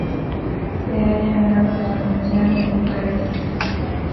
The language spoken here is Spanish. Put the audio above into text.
Se halla al lado de la Universidad de Bucarest.